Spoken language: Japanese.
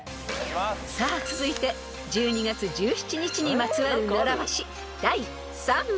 ［さあ続いて１２月１７日にまつわる習わし］